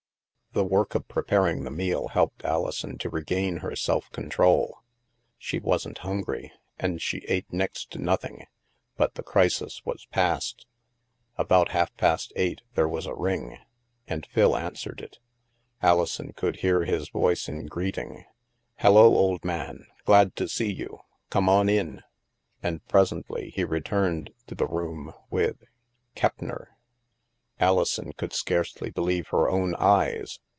The work of preparing the meal helped Alison to regain her self control. She wasn't hungry, and she ate next to nothing, but the crisis was passed. About half past eight, there was a ring, and Phil 170 THE MASK answered it. Alison could hear his voice in greet ing :" Hello, old man ; glad to see you. Come on in !" And presently he returned to the room with — Keppner I Alison could scarcely believe her own eyes.